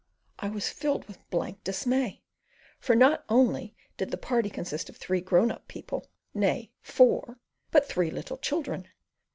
I was filled with blank dismay, for not only did the party consist of three grown up people nay, four but three little children.